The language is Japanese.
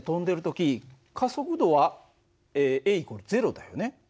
時加速度はａ＝０だよね。